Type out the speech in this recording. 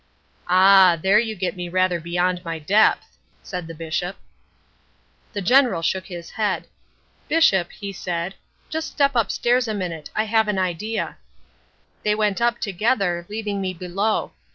"'Ah, there you get me rather beyond my depth,' said the Bishop. "The General shook his head. 'Bishop,' he said, 'just step upstairs a minute; I have an idea.' "They went up together, leaving me below.